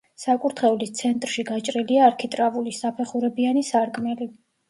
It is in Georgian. საკურთხევლის ცენტრში გაჭრილია არქიტრავული, საფეხურებიანი სარკმელი.